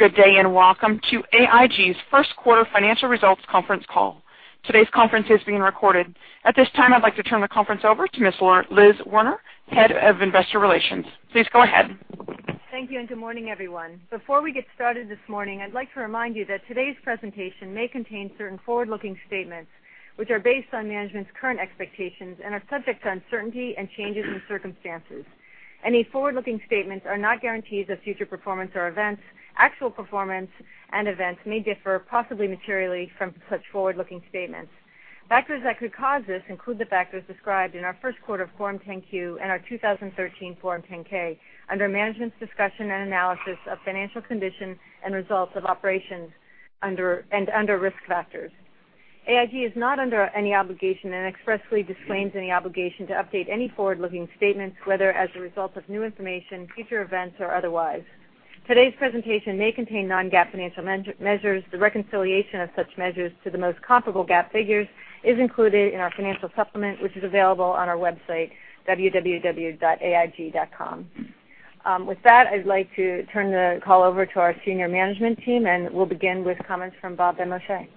Good day. Welcome to AIG's first quarter financial results conference call. Today's conference is being recorded. At this time, I'd like to turn the conference over to Ms. Liz Werner, Head of Investor Relations. Please go ahead. Thank you. Good morning, everyone. Before we get started this morning, I'd like to remind you that today's presentation may contain certain forward-looking statements, which are based on management's current expectations and are subject to uncertainty and changes in circumstances. Any forward-looking statements are not guarantees of future performance or events. Actual performance and events may differ, possibly materially, from such forward-looking statements. Factors that could cause this include the factors described in our first quarter Form 10-Q and our 2013 Form 10-K under Management's Discussion and Analysis of Financial Condition and Results of Operations and under Risk Factors. AIG is not under any obligation and expressly disclaims any obligation to update any forward-looking statements, whether as a result of new information, future events, or otherwise. Today's presentation may contain non-GAAP financial measures. The reconciliation of such measures to the most comparable GAAP figures is included in our financial supplement, which is available on our website, www.aig.com. With that, I'd like to turn the call over to our senior management team. We'll begin with comments from Robert Benmosche.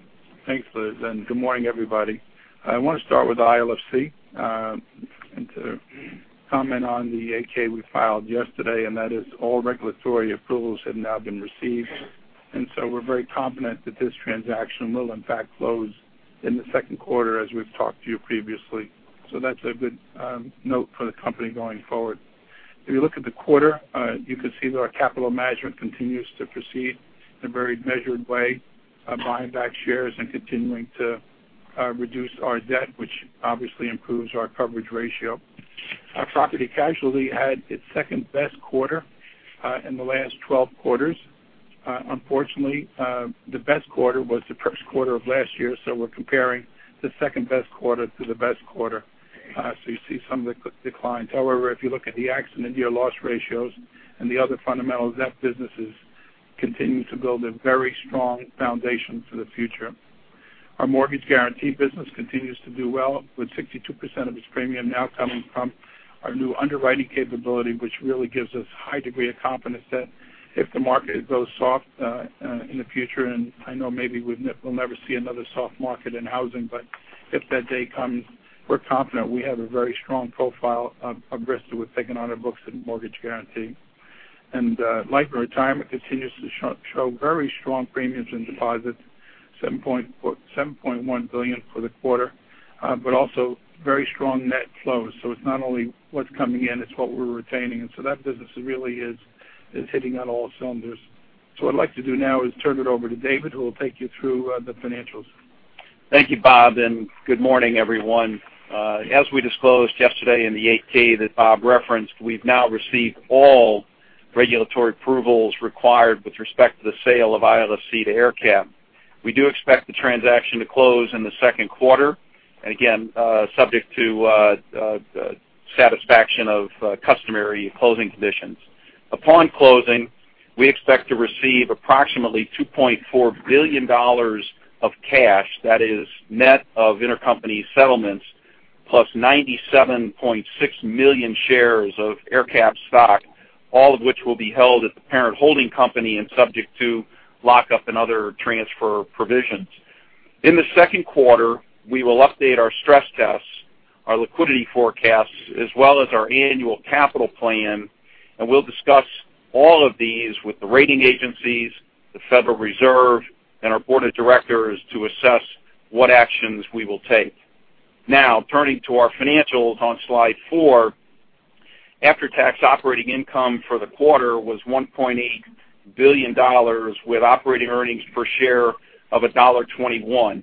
Thanks, Liz. Good morning, everybody. I want to start with ILFC and to comment on the 8-K we filed yesterday. That is all regulatory approvals have now been received. We're very confident that this transaction will in fact close in the second quarter, as we've talked to you previously. That's a good note for the company going forward. If you look at the quarter, you can see that our capital management continues to proceed in a very measured way, buying back shares and continuing to reduce our debt, which obviously improves our coverage ratio. Our Property Casualty had its second-best quarter in the last 12 quarters. Unfortunately, the best quarter was the first quarter of last year, we're comparing the second-best quarter to the best quarter. You see some of the declines. If you look at the accident year loss ratios and the other fundamentals, that business is continuing to build a very strong foundation for the future. Our Mortgage Guaranty business continues to do well with 62% of its premium now coming from our new underwriting capability, which really gives us high degree of confidence that if the market goes soft in the future, I know maybe we'll never see another soft market in housing, but if that day comes, we're confident we have a very strong profile of risk that we've taken on our books in Mortgage Guaranty. Life & Retirement continues to show very strong premiums in deposits, $7.1 billion for the quarter, but also very strong net flows. It's not only what's coming in, it's what we're retaining. That business really is hitting on all cylinders. What I'd like to do now is turn it over to David, who will take you through the financials. Thank you, Bob, good morning, everyone. As we disclosed yesterday in the 8-K that Bob referenced, we've now received all regulatory approvals required with respect to the sale of ILFC to AerCap. We do expect the transaction to close in the second quarter, again subject to satisfaction of customary closing conditions. Upon closing, we expect to receive approximately $2.4 billion of cash that is net of intercompany settlements, plus 97.6 million shares of AerCap stock, all of which will be held at the parent holding company and subject to lockup and other transfer provisions. In the second quarter, we will update our stress tests, our liquidity forecasts, as well as our annual capital plan, we'll discuss all of these with the rating agencies, the Federal Reserve, and our board of directors to assess what actions we will take. Turning to our financials on slide four, after-tax operating income for the quarter was $1.8 billion, with operating earnings per share of $1.21.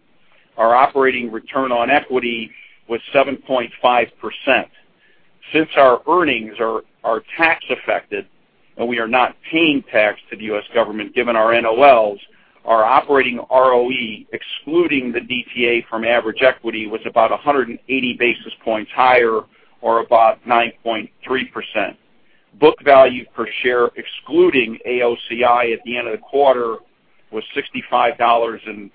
Our operating return on equity was 7.5%. Since our earnings are tax affected and we are not paying tax to the U.S. government, given our NOLs, our operating ROE, excluding the DTA from average equity, was about 180 basis points higher or about 9.3%. Book value per share, excluding AOCI at the end of the quarter, was $65.49,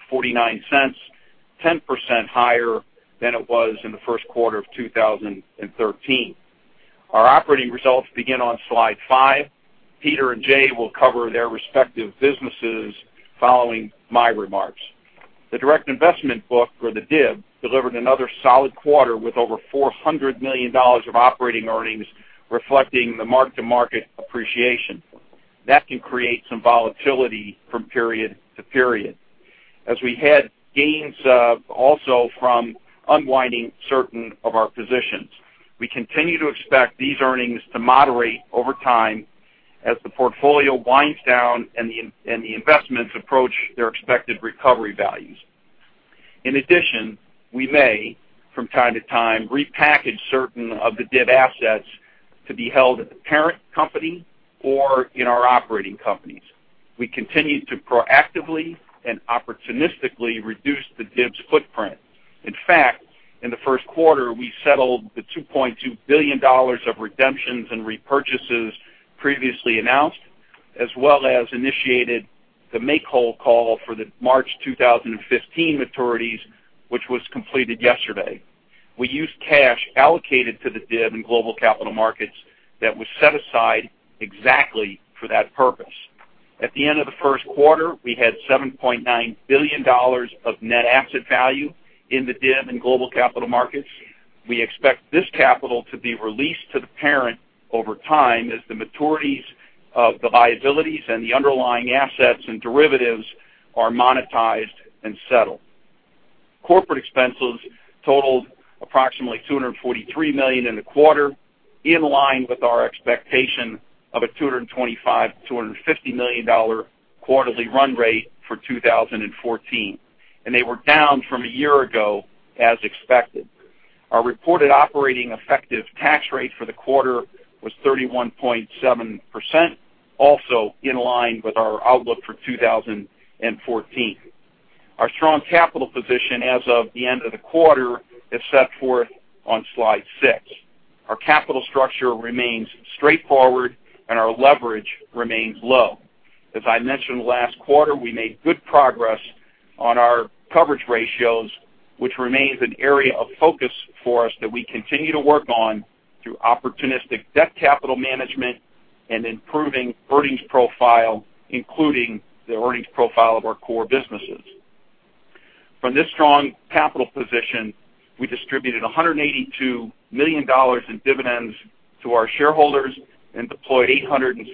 10% higher than it was in the first quarter of 2013. Our operating results begin on slide five. Peter and Jay will cover their respective businesses following my remarks. The Direct Investment Book, or the DIB, delivered another solid quarter with over $400 million of operating earnings, reflecting the mark-to-market appreciation. That can create some volatility from period to period, as we had gains also from unwinding certain of our positions. We continue to expect these earnings to moderate over time as the portfolio winds down and the investments approach their expected recovery values. We may, from time to time, repackage certain of the DIB assets to be held at the parent company or in our operating companies. We continue to proactively and opportunistically reduce the DIB's footprint. In the first quarter, we settled the $2.2 billion of redemptions and repurchases previously announced, as well as initiated the make whole call for the March 2015 maturities, which was completed yesterday. We used cash allocated to the DIB in Global Capital Markets that was set aside exactly for that purpose. At the end of the first quarter, we had $7.9 billion of net asset value in the DIB in Global Capital Markets. We expect this capital to be released to the parent over time as the maturities of the liabilities and the underlying assets and derivatives are monetized and settled. Corporate expenses totaled approximately $243 million in the quarter, in line with our expectation of a $225 million-$250 million quarterly run rate for 2014, and they were down from a year ago, as expected. Our reported operating effective tax rate for the quarter was 31.7%, also in line with our outlook for 2014. Our strong capital position as of the end of the quarter is set forth on slide six. Our capital structure remains straightforward, and our leverage remains low. As I mentioned last quarter, we made good progress on our coverage ratios, which remains an area of focus for us that we continue to work on through opportunistic debt capital management and improving earnings profile, including the earnings profile of our core businesses. From this strong capital position, we distributed $182 million in dividends to our shareholders and deployed $867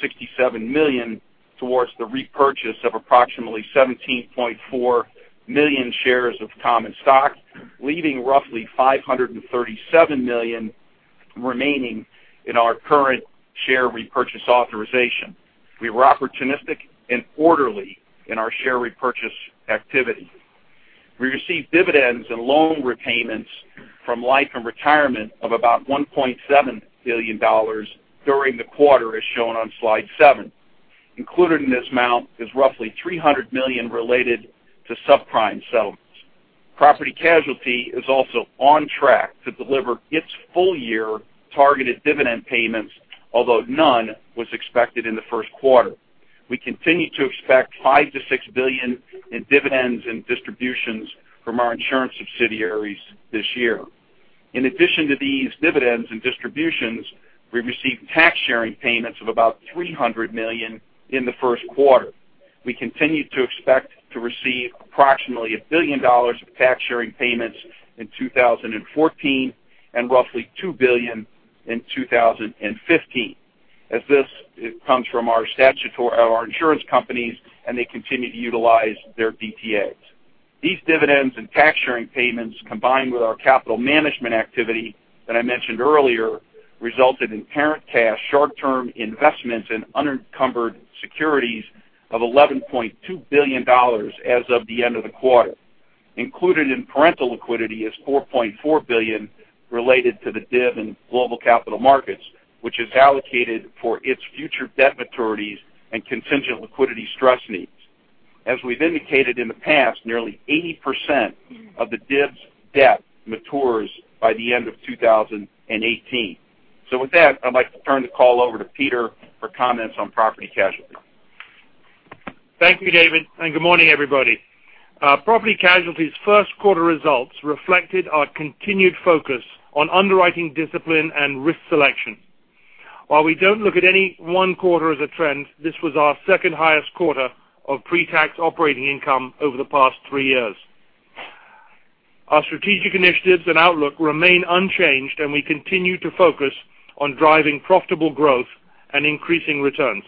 million towards the repurchase of approximately 17.4 million shares of common stock, leaving roughly $537 million remaining in our current share repurchase authorization. We were opportunistic and orderly in our share repurchase activity. We received dividends and loan repayments from Life and Retirement of about $1.7 billion during the quarter, as shown on slide seven. Included in this amount is roughly $300 million related to subprime settlements. Property Casualty is also on track to deliver its full-year targeted dividend payments, although none was expected in the first quarter. We continue to expect $5 billion-$6 billion in dividends and distributions from our insurance subsidiaries this year. To these dividends and distributions, we received tax sharing payments of about $300 million in the first quarter. We continue to expect to receive approximately $1 billion of tax sharing payments in 2014 and roughly $2 billion in 2015, as this comes from our insurance companies, and they continue to utilize their DTAs. These dividends and tax sharing payments, combined with our capital management activity that I mentioned earlier, resulted in parent cash short-term investments in unencumbered securities of $11.2 billion as of the end of the quarter. Included in parental liquidity is $4.4 billion related to the DIB in Global Capital Markets, which is allocated for its future debt maturities and contingent liquidity stress needs. As we've indicated in the past, nearly 80% of the DIB's debt matures by the end of 2018. With that, I'd like to turn the call over to Peter for comments on Property Casualty. Thank you, David, and good morning, everybody. Property Casualty's first quarter results reflected our continued focus on underwriting discipline and risk selection. While we don't look at any one quarter as a trend, this was our second highest quarter of pre-tax operating income over the past three years. Our strategic initiatives and outlook remain unchanged. We continue to focus on driving profitable growth and increasing returns.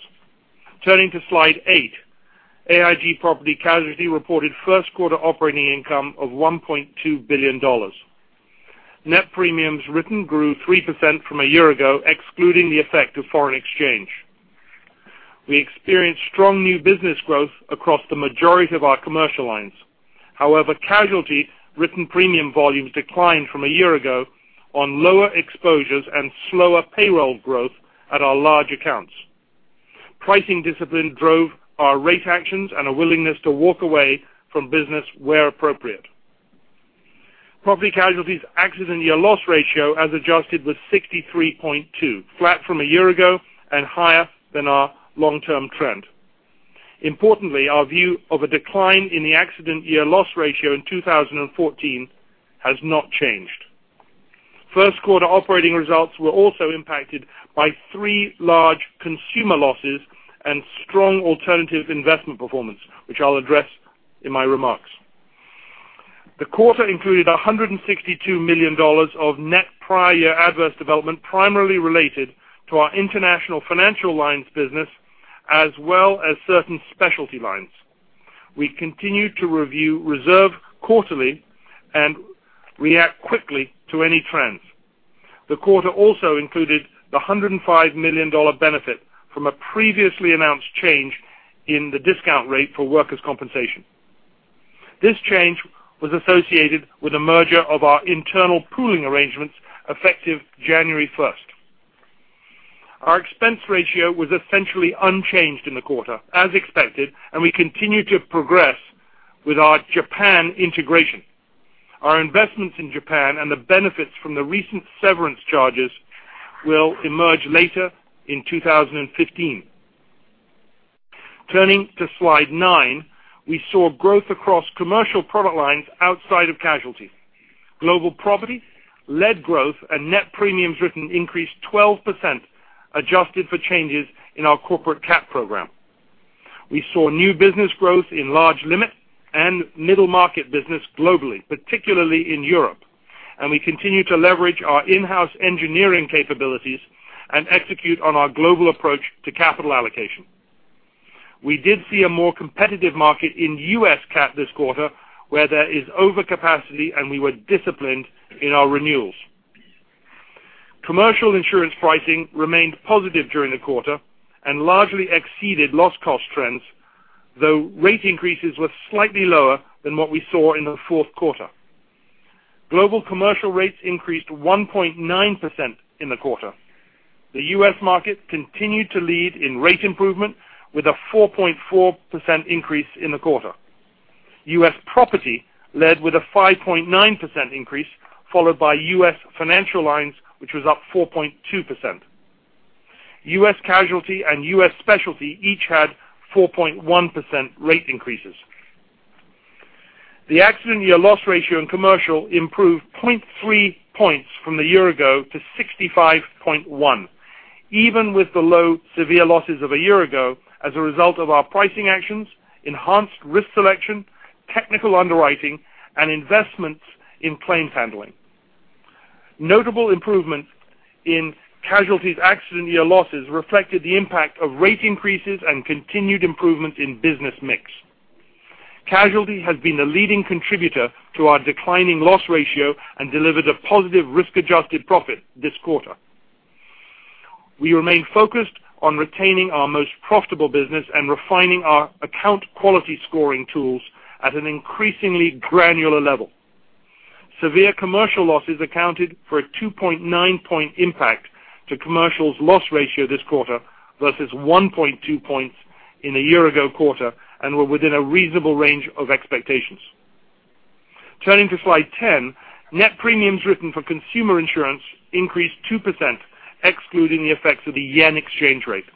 Turning to slide eight, AIG Property Casualty reported first quarter operating income of $1.2 billion. Net premiums written grew 3% from a year ago, excluding the effect of foreign exchange. We experienced strong new business growth across the majority of our commercial lines. However, casualty written premium volumes declined from a year ago on lower exposures and slower payroll growth at our large accounts. Pricing discipline drove our rate actions and a willingness to walk away from business where appropriate. Property Casualty's accident year loss ratio, as adjusted, was 63.2, flat from a year ago and higher than our long-term trend. Importantly, our view of a decline in the accident year loss ratio in 2014 has not changed. First quarter operating results were also impacted by three large consumer losses and strong alternative investment performance, which I'll address in my remarks. The quarter included $162 million of net prior year adverse development, primarily related to our international financial lines business, as well as certain specialty lines. We continue to review reserve quarterly and react quickly to any trends. The quarter also included the $105 million benefit from a previously announced change in the discount rate for workers' compensation. This change was associated with a merger of our internal pooling arrangements effective January 1st. Our expense ratio was essentially unchanged in the quarter, as expected. We continue to progress with our Japan integration. Our investments in Japan and the benefits from the recent severance charges will emerge later in 2015. Turning to slide nine, we saw growth across commercial product lines outside of casualty. Global property led growth and net premiums written increased 12%, adjusted for changes in our corporate CAT program. We saw new business growth in large limit and middle market business globally, particularly in Europe. We continue to leverage our in-house engineering capabilities and execute on our global approach to capital allocation. We did see a more competitive market in U.S. CAT this quarter where there is overcapacity. We were disciplined in our renewals. Commercial insurance pricing remained positive during the quarter and largely exceeded loss cost trends, though rate increases were slightly lower than what we saw in the fourth quarter. Global commercial rates increased 1.9% in the quarter. The U.S. market continued to lead in rate improvement with a 4.4% increase in the quarter. U.S. property led with a 5.9% increase, followed by U.S. financial lines, which was up 4.2%. U.S. casualty and U.S. specialty each had 4.1% rate increases. The accident year loss ratio in commercial improved 0.3 points from a year ago to 65.1, even with the low severe losses of a year ago as a result of our pricing actions, enhanced risk selection, technical underwriting, and investments in claims handling. Notable improvements in casualty's accident year losses reflected the impact of rate increases and continued improvements in business mix. Casualty has been a leading contributor to our declining loss ratio and delivered a positive risk-adjusted profit this quarter. We remain focused on retaining our most profitable business and refining our account quality scoring tools at an increasingly granular level. Severe commercial losses accounted for a 2.9 point impact to commercial's loss ratio this quarter versus 1.2 points in the year ago quarter and were within a reasonable range of expectations. Turning to slide 10, net premiums written for consumer insurance increased 2%, excluding the effects of the JPY exchange rate.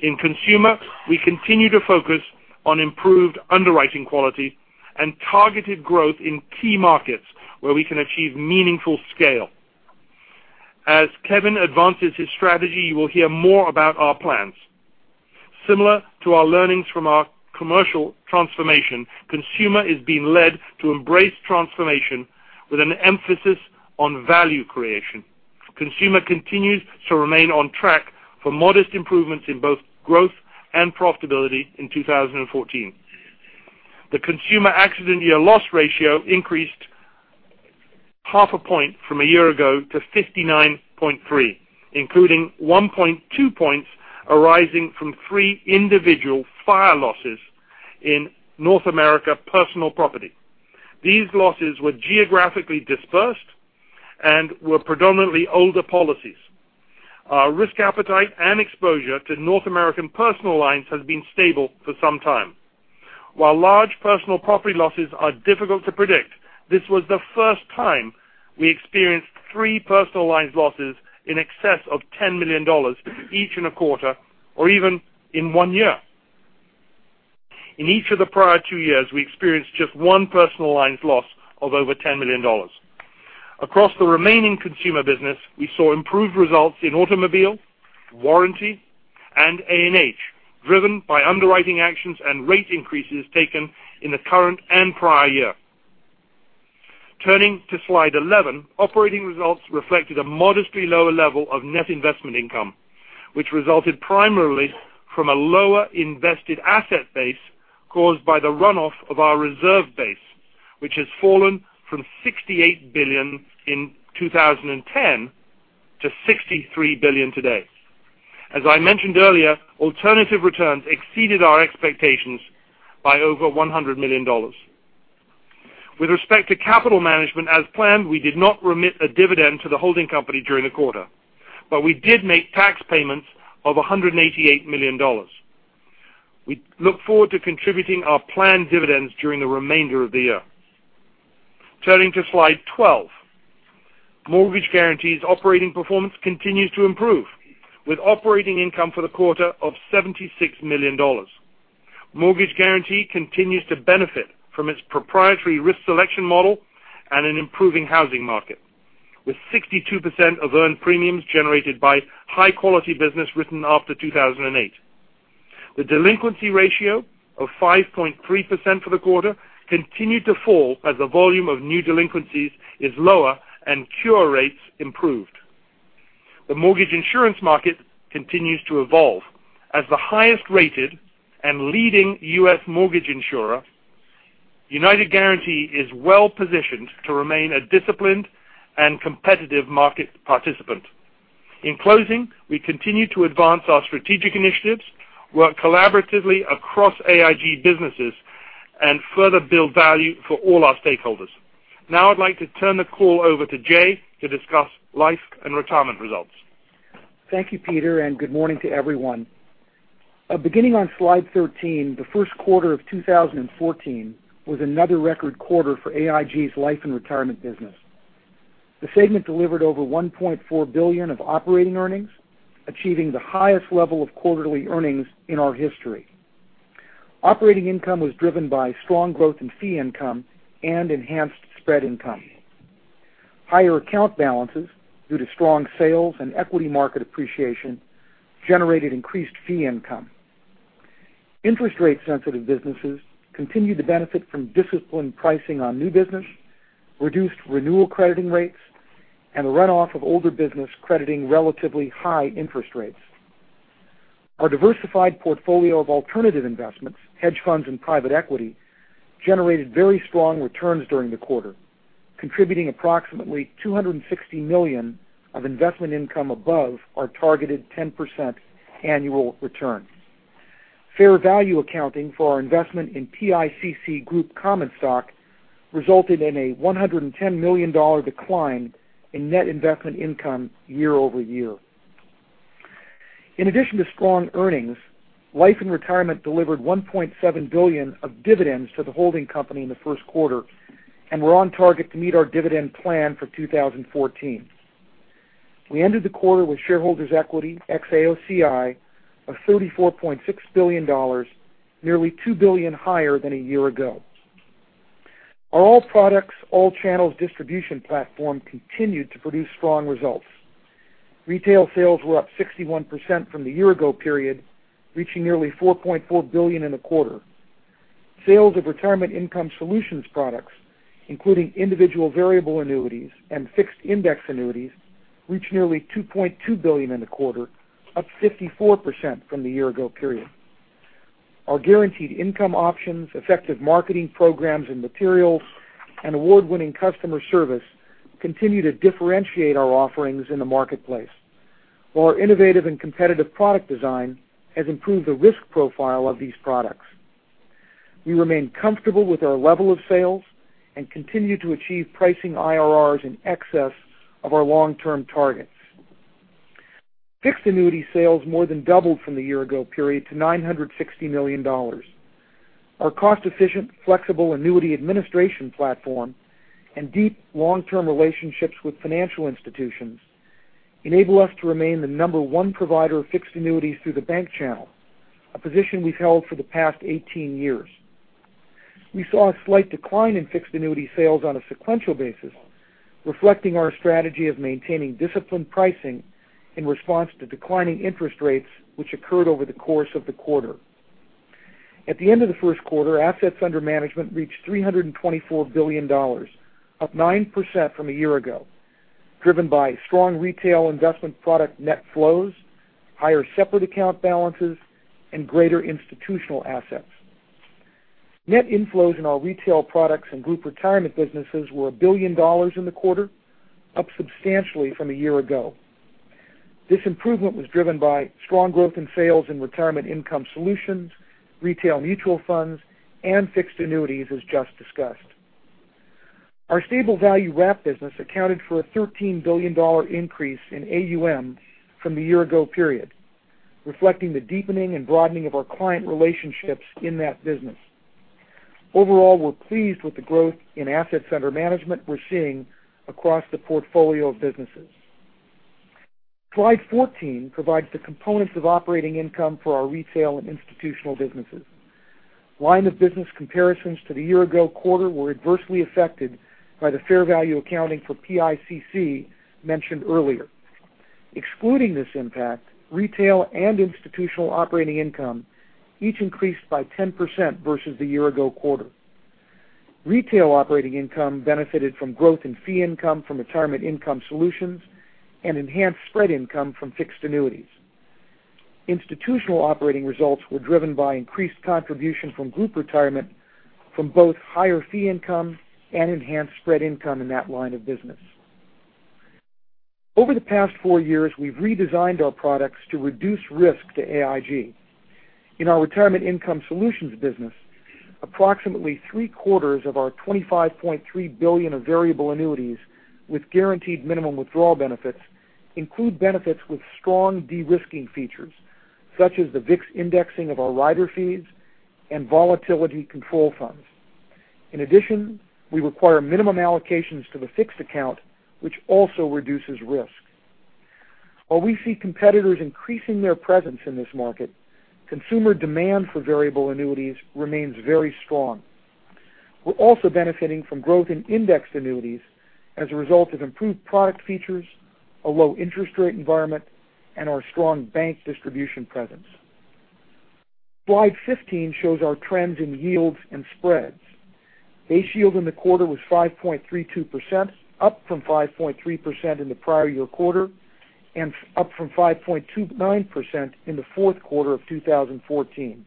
In consumer, we continue to focus on improved underwriting quality and targeted growth in key markets where we can achieve meaningful scale. As Kevin advances his strategy, you will hear more about our plans. Similar to our learnings from our commercial transformation, consumer is being led to embrace transformation with an emphasis on value creation. Consumer continues to remain on track for modest improvements in both growth and profitability in 2014. The consumer accident year loss ratio increased half a point from a year ago to 59.3, including 1.2 points arising from three individual fire losses in North America personal property. These losses were geographically dispersed and were predominantly older policies. Our risk appetite and exposure to North American personal lines has been stable for some time. While large personal property losses are difficult to predict, this was the first time we experienced three personal lines losses in excess of $10 million each in a quarter or even in one year. In each of the prior two years, we experienced just one personal lines loss of over $10 million. Across the remaining consumer business, we saw improved results in automobile, warranty, and A&H, driven by underwriting actions and rate increases taken in the current and prior year. Turning to slide 11, operating results reflected a modestly lower level of net investment income, which resulted primarily from a lower invested asset base caused by the runoff of our reserve base, which has fallen from $68 billion in 2010 to $63 billion today. As I mentioned earlier, alternative returns exceeded our expectations by over $100 million. With respect to capital management, as planned, we did not remit a dividend to the holding company during the quarter, but we did make tax payments of $188 million. We look forward to contributing our planned dividends during the remainder of the year. Turning to slide 12. Mortgage Guaranty's operating performance continues to improve, with operating income for the quarter of $76 million. Mortgage Guaranty continues to benefit from its proprietary risk selection model and an improving housing market, with 62% of earned premiums generated by high-quality business written after 2008. The delinquency ratio of 5.3% for the quarter continued to fall as the volume of new delinquencies is lower and cure rates improved. The mortgage insurance market continues to evolve. As the highest-rated and leading U.S. mortgage insurer, United Guaranty is well-positioned to remain a disciplined and competitive market participant. In closing, we continue to advance our strategic initiatives, work collaboratively across AIG businesses, and further build value for all our stakeholders. Now I'd like to turn the call over to Jay to discuss Life and Retirement results. Thank you, Peter, and good morning to everyone. Beginning on slide 13, the first quarter of 2014 was another record quarter for AIG's Life and Retirement business. The segment delivered over $1.4 billion of operating earnings, achieving the highest level of quarterly earnings in our history. Operating income was driven by strong growth in fee income and enhanced spread income. Higher account balances due to strong sales and equity market appreciation generated increased fee income. Interest rate sensitive businesses continued to benefit from disciplined pricing on new business, reduced renewal crediting rates, and the runoff of older business crediting relatively high interest rates. Our diversified portfolio of alternative investments, hedge funds and private equity, generated very strong returns during the quarter, contributing approximately $260 million of investment income above our targeted 10% annual return. Fair value accounting for our investment in PICC Group common stock resulted in a $110 million decline in net investment income year-over-year. In addition to strong earnings, Life and Retirement delivered $1.7 billion of dividends to the holding company in the first quarter, and we're on target to meet our dividend plan for 2014. We ended the quarter with shareholders equity ex-AOCI of $34.6 billion, nearly $2 billion higher than a year ago. Our all products, all channels distribution platform continued to produce strong results. Retail sales were up 61% from the year ago period, reaching nearly $4.4 billion in the quarter. Sales of Retirement Income Solutions products, including individual variable annuities and fixed index annuities, reached nearly $2.2 billion in the quarter, up 54% from the year ago period. Our guaranteed income options, effective marketing programs and materials, and award-winning customer service continue to differentiate our offerings in the marketplace, while our innovative and competitive product design has improved the risk profile of these products. We remain comfortable with our level of sales and continue to achieve pricing IRRs in excess of our long-term targets. Fixed annuity sales more than doubled from the year ago period to $960 million. Our cost efficient, flexible annuity administration platform and deep long-term relationships with financial institutions enable us to remain the number one provider of fixed annuities through the bank channel, a position we've held for the past 18 years. We saw a slight decline in fixed annuity sales on a sequential basis, reflecting our strategy of maintaining disciplined pricing in response to declining interest rates, which occurred over the course of the quarter. At the end of the first quarter, assets under management reached $324 billion, up 9% from a year ago, driven by strong retail investment product net flows, higher separate account balances, and greater institutional assets. Net inflows in our retail products and group retirement businesses were $1 billion in the quarter, up substantially from a year ago. This improvement was driven by strong growth in sales and Retirement Income Solutions, retail mutual funds, and fixed annuities, as just discussed. Our stable value wrap business accounted for a $13 billion increase in AUM from the year ago period, reflecting the deepening and broadening of our client relationships in that business. Overall, we're pleased with the growth in assets under management we're seeing across the portfolio of businesses. Slide 14 provides the components of operating income for our retail and institutional businesses. Line of business comparisons to the year ago quarter were adversely affected by the fair value accounting for PICC mentioned earlier. Excluding this impact, retail and institutional operating income each increased by 10% versus the year ago quarter. Retail operating income benefited from growth in fee income from Retirement Income Solutions and enhanced spread income from fixed annuities. Institutional operating results were driven by increased contribution from group retirement from both higher fee income and enhanced spread income in that line of business. Over the past four years, we've redesigned our products to reduce risk to AIG. In our Retirement Income Solutions business, approximately three-quarters of our $25.3 billion of variable annuities with guaranteed minimum withdrawal benefits include benefits with strong de-risking features, such as the VIX indexing of our rider fees and volatility control funds. In addition, we require minimum allocations to the fixed account, which also reduces risk. While we see competitors increasing their presence in this market, consumer demand for variable annuities remains very strong. We're also benefiting from growth in indexed annuities as a result of improved product features, a low interest rate environment, and our strong bank distribution presence. Slide 15 shows our trends in yields and spreads. Base yield in the quarter was 5.32%, up from 5.3% in the prior year quarter and up from 5.29% in the fourth quarter of 2014.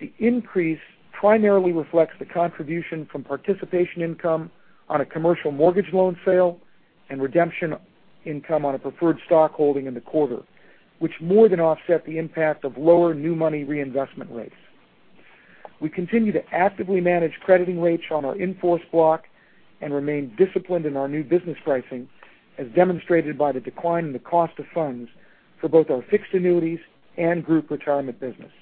The increase primarily reflects the contribution from participation income on a commercial mortgage loan sale and redemption income on a preferred stock holding in the quarter, which more than offset the impact of lower new money reinvestment rates. We continue to actively manage crediting rates on our in-force block and remain disciplined in our new business pricing, as demonstrated by the decline in the cost of funds for both our fixed annuities and group retirement business.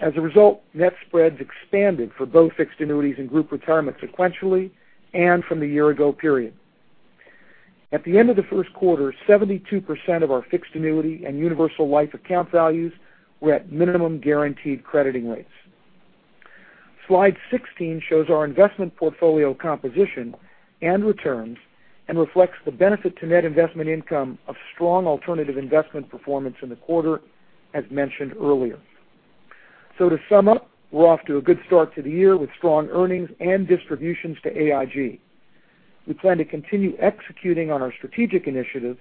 As a result, net spreads expanded for both fixed annuities and group retirement sequentially and from the year-ago period. At the end of the first quarter, 72% of our fixed annuity and universal life account values were at minimum guaranteed crediting rates. Slide 16 shows our investment portfolio composition and returns and reflects the benefit to net investment income of strong alternative investment performance in the quarter, as mentioned earlier. To sum up, we're off to a good start to the year with strong earnings and distributions to AIG. We plan to continue executing on our strategic initiatives,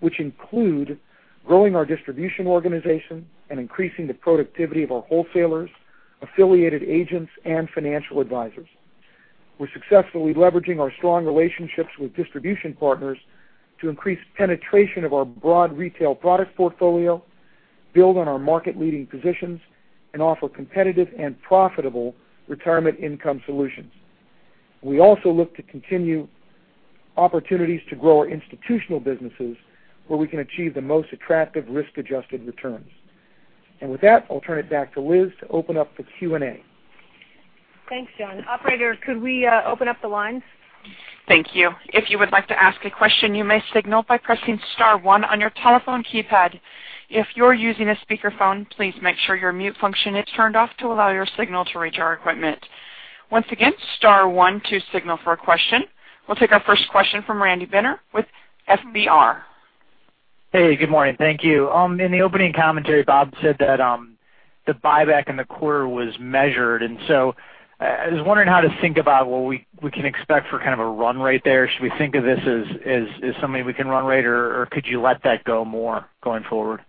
which include growing our distribution organization and increasing the productivity of our wholesalers, affiliated agents, and financial advisors. We're successfully leveraging our strong relationships with distribution partners to increase penetration of our broad retail product portfolio, build on our market-leading positions, and offer competitive and profitable Retirement Income Solutions. We also look to continue opportunities to grow our institutional businesses where we can achieve the most attractive risk-adjusted returns. With that, I'll turn it back to Liz to open up for Q&A. Thanks, John. Operator, could we open up the lines? Thank you. If you would like to ask a question, you may signal by pressing star one on your telephone keypad. If you're using a speakerphone, please make sure your mute function is turned off to allow your signal to reach our equipment. Once again, star one to signal for a question. We'll take our first question from Randy Binner with FBR. Hey, good morning. Thank you. In the opening commentary, Bob said that the buyback in the quarter was measured. I was wondering how to think about what we can expect for kind of a run rate there. Should we think of this as something we can run rate, or could you let that go more going forward?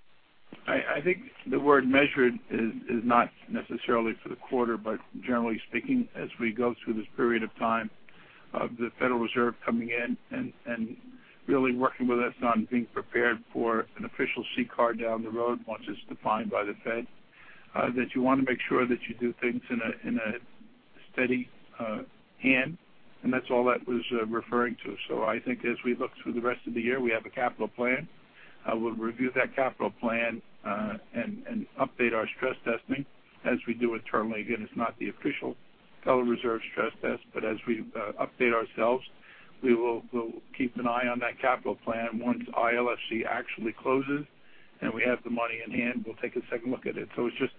I think the word measured is not necessarily for the quarter, but generally speaking, as we go through this period of time of the Federal Reserve coming in and really working with us on being prepared for an official CCAR down the road, once it's defined by the Fed, that you want to make sure that you do things in a steady hand, and that's all that was referring to. I think as we look through the rest of the year, we have a capital plan. We'll review that capital plan, and update our stress testing as we do internally. Again, it's not the official Federal Reserve stress test, but as we update ourselves, we'll keep an eye on that capital plan once ILFC actually closes and we have the money in hand, we'll take a second look at it. It's just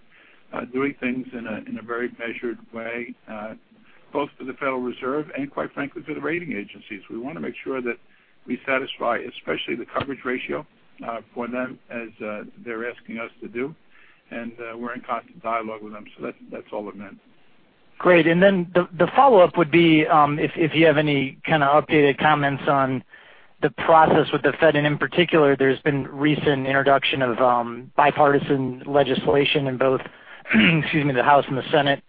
doing things in a very measured way, both to the Federal Reserve and quite frankly, to the rating agencies. We want to make sure that we satisfy, especially the coverage ratio, for them as they're asking us to do. We're in constant dialogue with them. That's all it meant. Great. Then the follow-up would be, if you have any kind of updated comments on the process with the Fed, in particular, there's been recent introduction of bipartisan legislation in both the House and the Senate,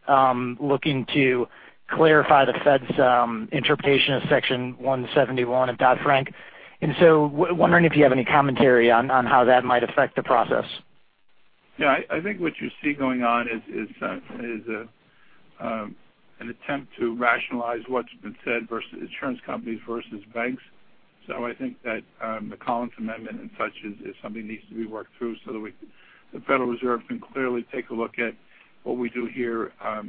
looking to clarify the Fed's interpretation of Section 171 of Dodd-Frank. Wondering if you have any commentary on how that might affect the process. Yeah. I think what you see going on is an attempt to rationalize what's been said versus insurance companies versus banks. I think that the Collins Amendment and such is something needs to be worked through so that the Federal Reserve can clearly take a look at what we do here at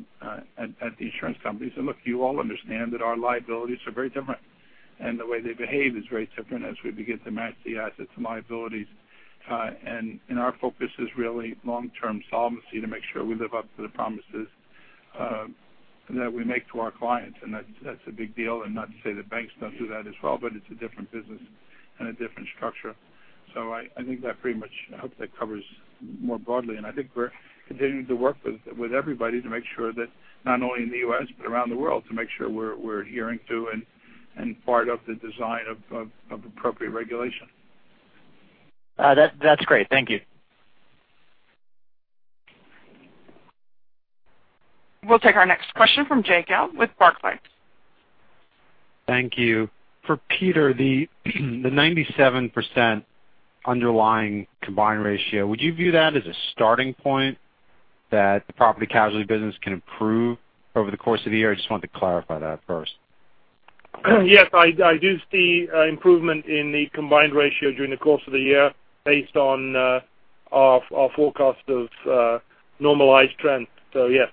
the insurance companies. Look, you all understand that our liabilities are very different and the way they behave is very different as we begin to match the assets and liabilities. Our focus is really long-term solvency to make sure we live up to the promises that we make to our clients. That's a big deal. Not to say that banks don't do that as well, but it's a different business and a different structure. I think that pretty much, I hope that covers more broadly. I think we're continuing to work with everybody to make sure that not only in the U.S. but around the world, to make sure we're adhering to and part of the design of appropriate regulation. That's great. Thank you. We'll take our next question from Jay Gelb with Barclays. Thank you. For Peter, the 97% underlying combined ratio, would you view that as a starting point that the Property Casualty business can improve over the course of the year? I just wanted to clarify that first. Yes, I do see improvement in the combined ratio during the course of the year based on our forecast of normalized trends. Yes.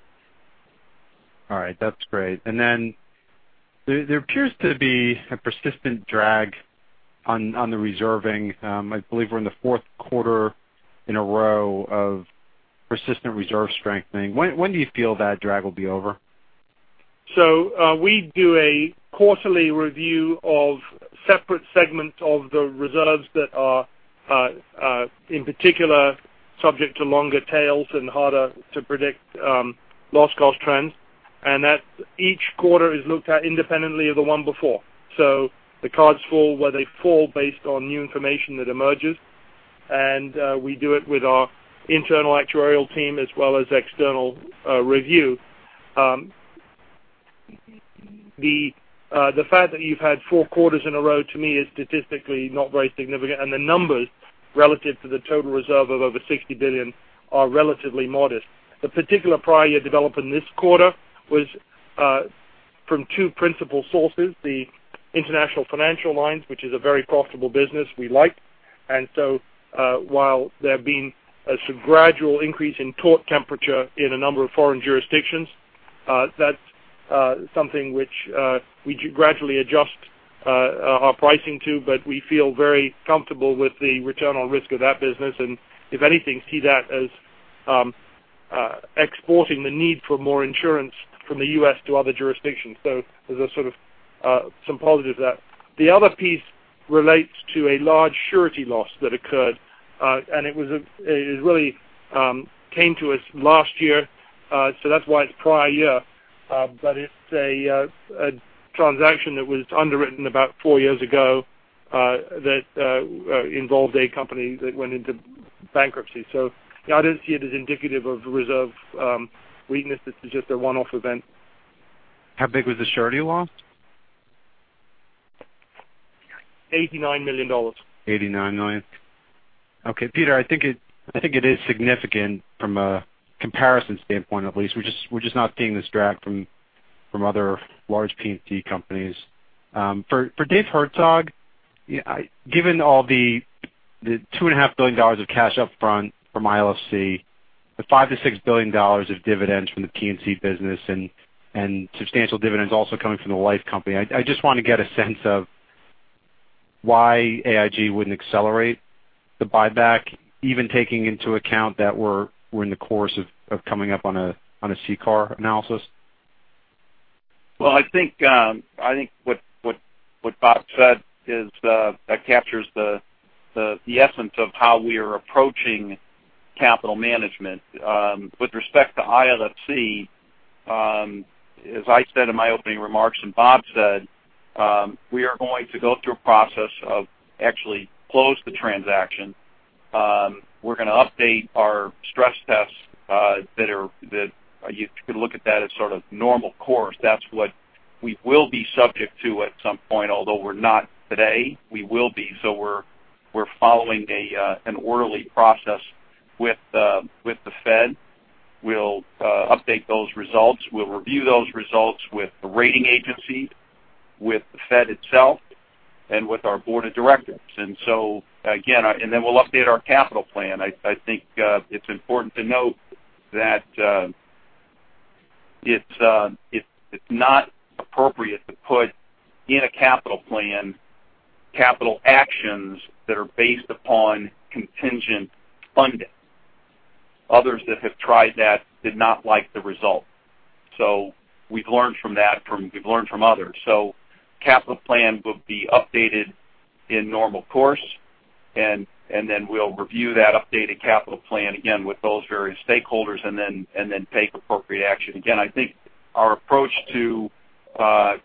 All right. That's great. There appears to be a persistent drag on the reserving. I believe we're in the fourth quarter in a row of persistent reserve strengthening. When do you feel that drag will be over? We do a quarterly review of separate segments of the reserves that are, in particular, subject to longer tails and harder-to-predict loss cost trends. That each quarter is looked at independently of the one before. The cards fall where they fall based on new information that emerges. We do it with our internal actuarial team as well as external review. The fact that you've had four quarters in a row, to me, is statistically not very significant. The numbers relative to the total reserve of over $60 billion are relatively modest. The particular prior year development this quarter was From two principal sources, the international financial lines, which is a very profitable business we like. While there have been a gradual increase in tort temperature in a number of foreign jurisdictions, that's something which we gradually adjust our pricing to, but we feel very comfortable with the return on risk of that business, and if anything, see that as exporting the need for more insurance from the U.S. to other jurisdictions. There's sort of some positive there. The other piece relates to a large surety loss that occurred, and it really came to us last year, so that's why it's prior year. It's a transaction that was underwritten about four years ago, that involved a company that went into bankruptcy. I don't see it as indicative of reserve weakness. This is just a one-off event. How big was the surety loss? $89 million. $89 million. Okay, Peter, I think it is significant from a comparison standpoint, at least. We're just not seeing this drag from other large P&C companies. For David Herzog, given all the $2.5 billion of cash up front from ILFC, the $5 billion-$6 billion of dividends from the P&C business, and substantial dividends also coming from the life company, I just want to get a sense of why AIG wouldn't accelerate the buyback, even taking into account that we're in the course of coming up on a CCAR analysis. I think what Bob said captures the essence of how we are approaching capital management. With respect to ILFC, as I said in my opening remarks and Bob said, we are going to go through a process of actually close the transaction. We're going to update our stress tests that you can look at that as sort of normal course. That's what we will be subject to at some point, although we're not today, we will be. We're following an orderly process with the Fed. We'll update those results. We'll review those results with the rating agency, with the Fed itself, and with our board of directors. Then we'll update our capital plan. I think it's important to note that it's not appropriate to put in a capital plan capital actions that are based upon contingent funding. Others that have tried that did not like the result. We've learned from that, we've learned from others. Capital plan will be updated in normal course, we'll review that updated capital plan again with those various stakeholders take appropriate action. Again, I think our approach to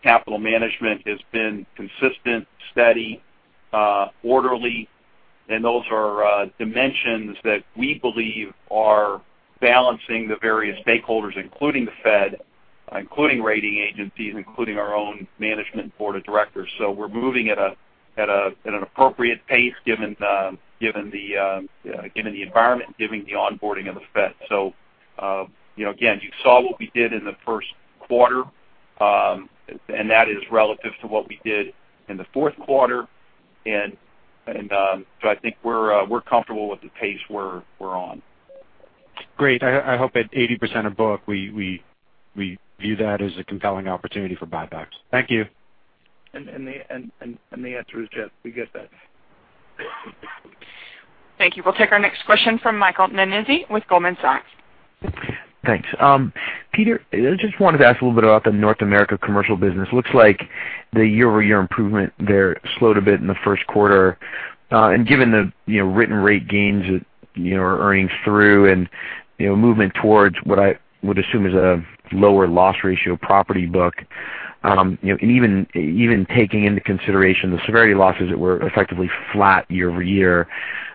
capital management has been consistent, steady, orderly, and those are dimensions that we believe are balancing the various stakeholders, including the Fed, including rating agencies, including our own management and board of directors. We're moving at an appropriate pace given the environment and given the onboarding of the Fed. Again, you saw what we did in the first quarter, and that is relative to what we did in the fourth quarter. I think we're comfortable with the pace we're on. Great. I hope at 80% of book, we view that as a compelling opportunity for buybacks. Thank you. The answer is, Jay, we get that. Thank you. We'll take our next question from Michael Nannizzi with Goldman Sachs. Thanks. Peter, I just wanted to ask a little bit about the North America commercial business. Looks like the year-over-year improvement there slowed a bit in the first quarter. Given the written rate gains that are earnings through and movement towards what I would assume is a lower loss ratio property book, and even taking into consideration the severity losses that were effectively flat year-over-year,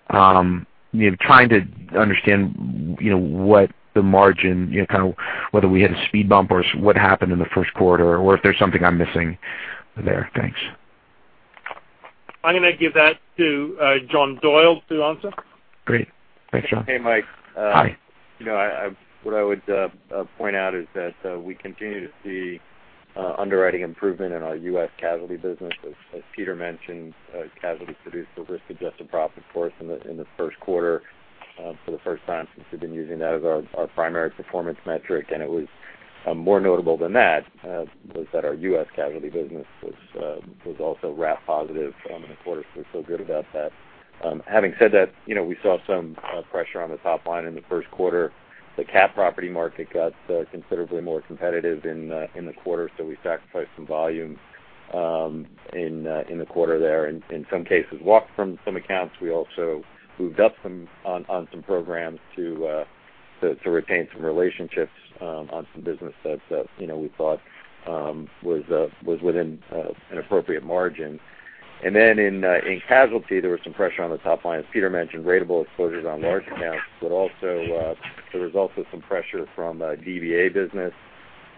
trying to understand what the margin, kind of whether we hit a speed bump or what happened in the first quarter, or if there's something I'm missing there. Thanks. I'm going to give that to John Doyle to answer. Great. Thanks, John. Hey, Mike. Hi. What I would point out is that we continue to see underwriting improvement in our U.S. casualty business. As Peter mentioned, casualty produced a risk-adjusted profit for us in the first quarter for the first time since we've been using that as our primary performance metric. It was more notable than that, was that our U.S. casualty business was also RAF positive in the quarter, we feel good about that. Having said that we saw some pressure on the top line in the first quarter. The CAT property market got considerably more competitive in the quarter, we sacrificed some volume in the quarter there. In some cases, walked from some accounts. We also moved up on some programs to retain some relationships on some business that we thought was within an appropriate margin. In casualty, there was some pressure on the top line, as Peter mentioned, ratable exposures on large accounts. Also, there was also some pressure from DBA business,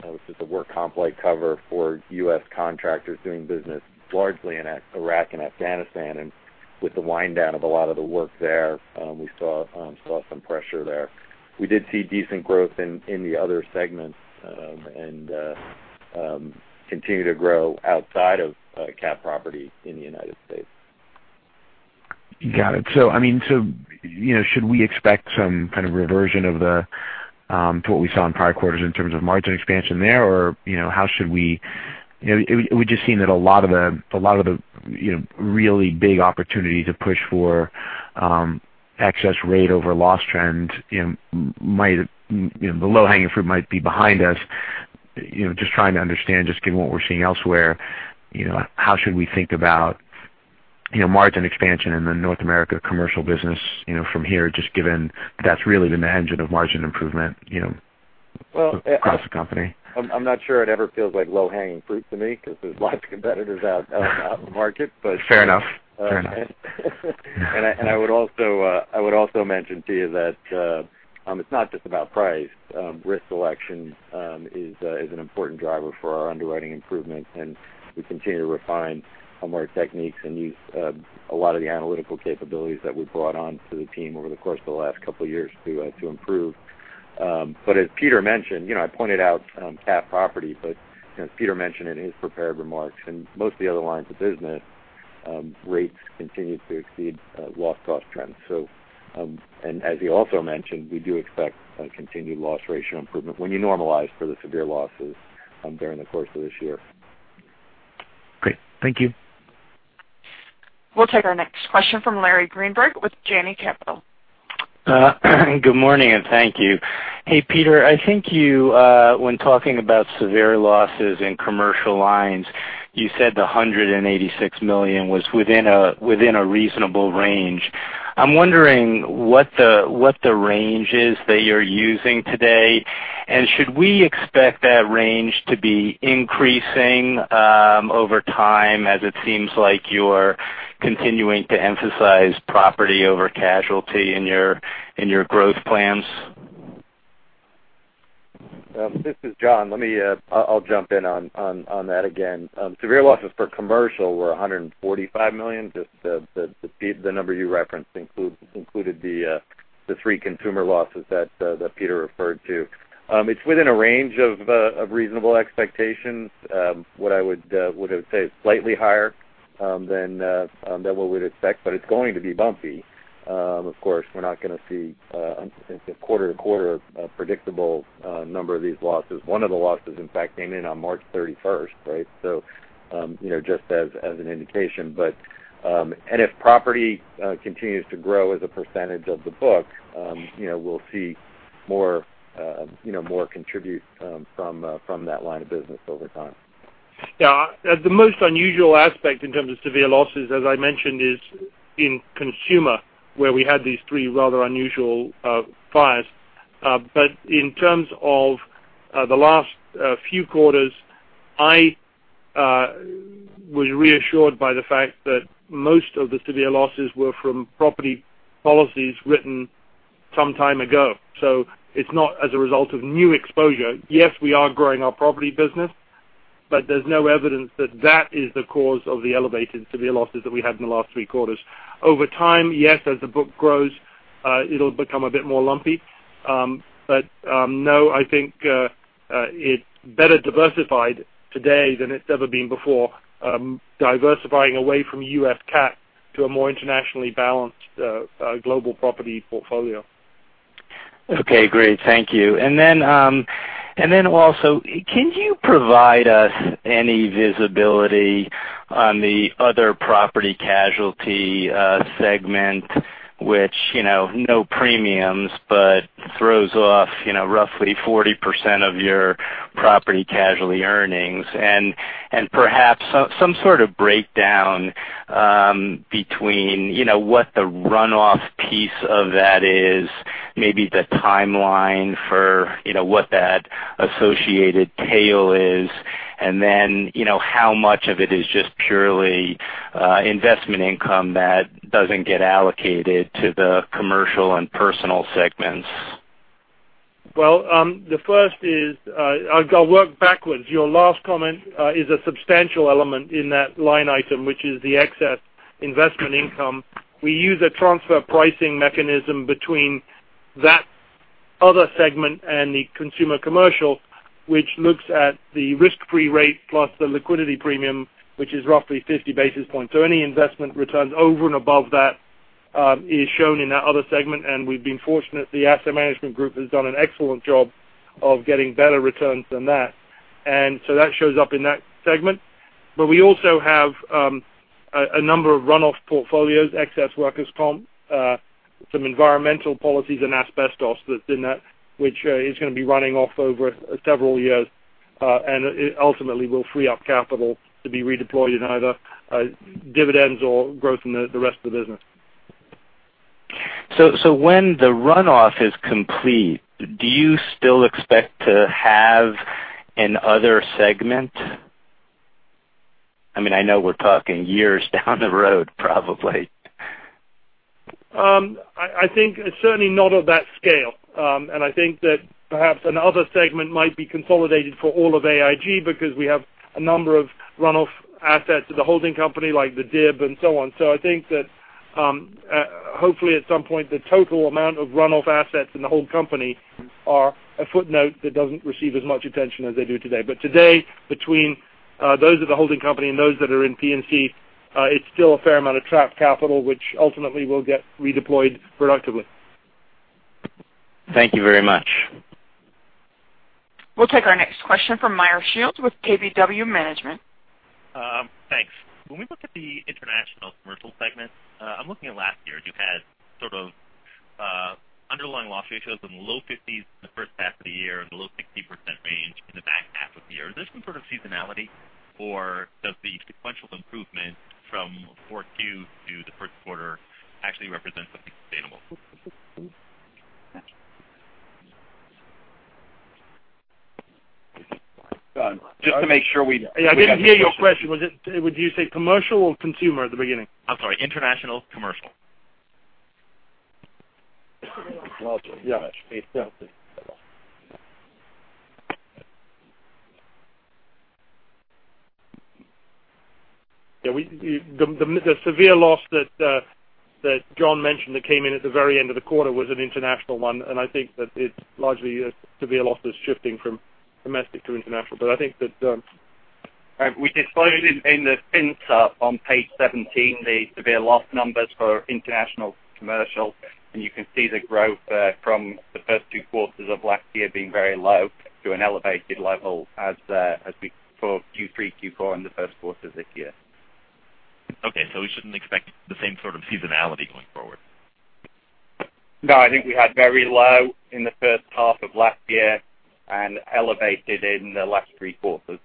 which is the work comp-like cover for U.S. contractors doing business largely in Iraq and Afghanistan. With the wind down of a lot of the work there, we saw some pressure there. We did see decent growth in the other segments, and continue to grow outside of CAT property in the United States. Got it. Should we expect some kind of reversion of the, to what we saw in prior quarters in terms of margin expansion there? We're just seeing that a lot of the really big opportunity to push for excess rate over loss trend, the low-hanging fruit might be behind us. Just trying to understand, just given what we're seeing elsewhere, how should we think about margin expansion in the North America commercial business from here, just given that's really been the engine of margin improvement across the company? I'm not sure it ever feels like low-hanging fruit to me because there's lots of competitors out in the market. Fair enough I would also mention to you that it's not just about price. Risk selection is an important driver for our underwriting improvements, and we continue to refine our techniques and use a lot of the analytical capabilities that we brought on to the team over the course of the last couple of years to improve. But as Peter mentioned, I pointed out CAT property, but as Peter mentioned in his prepared remarks, in most of the other lines of business, rates continued to exceed loss cost trends. As he also mentioned, we do expect a continued loss ratio improvement when you normalize for the severe losses during the course of this year. Great. Thank you. We'll take our next question from Larry Greenberg with Janney Capital. Good morning, and thank you. Peter, I think you, when talking about severe losses in commercial lines, you said the $186 million was within a reasonable range. I'm wondering what the range is that you're using today, and should we expect that range to be increasing over time as it seems like you're continuing to emphasize property over casualty in your growth plans? This is John. I'll jump in on that again. Severe losses for commercial were $145 million. Just the number you referenced included the three consumer losses that Peter referred to. It's within a range of reasonable expectations. What I would have said slightly higher than what we'd expect, but it's going to be bumpy. Of course, we're not going to see, I'll say quarter-to-quarter a predictable number of these losses. One of the losses, in fact, came in on March 31st, right? Just as an indication. If property continues to grow as a percentage of the book, we'll see more contribute from that line of business over time. Yeah. The most unusual aspect in terms of severe losses, as I mentioned, is in consumer, where we had these three rather unusual fires. In terms of the last few quarters, I was reassured by the fact that most of the severe losses were from property policies written some time ago. It's not as a result of new exposure. Yes, we are growing our property business, but there's no evidence that that is the cause of the elevated severe losses that we had in the last three quarters. Over time, yes, as the book grows, it'll become a bit more lumpy. No, I think it better diversified today than it's ever been before, diversifying away from U.S. CAT to a more internationally balanced global property portfolio. Okay, great. Thank you. Also, can you provide us any visibility on the other property casualty segment, which no premiums, but throws off roughly 40% of your property casualty earnings? Perhaps some sort of breakdown between what the runoff piece of that is, maybe the timeline for what that associated tail is, and then how much of it is just purely investment income that doesn't get allocated to the commercial and personal segments? I'll work backwards. Your last comment is a substantial element in that line item, which is the excess investment income. We use a transfer pricing mechanism between that other segment and the consumer commercial, which looks at the risk-free rate plus the liquidity premium, which is roughly 50 basis points. Any investment returns over and above that is shown in that other segment, we've been fortunate the asset management group has done an excellent job of getting better returns than that. That shows up in that segment. We also have a number of run-off portfolios, excess workers' comp, some environmental policies and asbestos that's in that, which is going to be running off over several years. It ultimately will free up capital to be redeployed in either dividends or growth in the rest of the business. When the runoff is complete, do you still expect to have an other segment? I know we're talking years down the road, probably. I think it's certainly not of that scale. I think that perhaps another segment might be consolidated for all of AIG because we have a number of run-off assets at the holding company like the DIB and so on. I think that, hopefully, at some point, the total amount of run-off assets in the whole company are a footnote that doesn't receive as much attention as they do today. Today, between those of the holding company and those that are in P&C, it's still a fair amount of trapped capital, which ultimately will get redeployed productively. Thank you very much. We'll take our next question from Meyer Shields with KBW Management. Thanks. When we look at the international commercial segment, I'm looking at last year, you had sort of underlying loss ratios in the low 50s in the first half of the year, in the low 60% range in the back half of the year. Is there some sort of seasonality, or does the sequential improvement from 4Q to the first quarter actually represent something sustainable? Just to make sure we- Yeah, I didn't hear your question. Did you say commercial or consumer at the beginning? I'm sorry, international commercial. Yeah. The severe loss that John mentioned that came in at the very end of the quarter was an international one, and I think that it's largely a severe loss that's shifting from domestic to international. We disclosed it in the print-up on page 17, the severe loss numbers for international commercial, and you can see the growth from the first two quarters of last year being very low to an elevated level as we saw Q3, Q4, and the first quarter of this year. Okay. We shouldn't expect the same sort of seasonality going forward. No, I think we had very low in the first half of last year and elevated in the last three quarters.